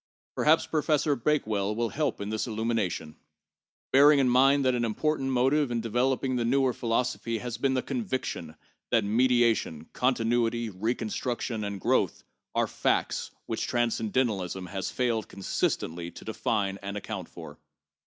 Perhaps Professor Bakewell will help in this illumination, bearing in mind that an important motive in developing the newer philosophy has been the conviction that mediation, continuity, reconstruction and growth are facts which transcendentalism has failed consistently to define and account for.